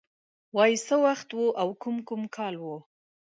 وای څه وخت و او کوم کوم کال و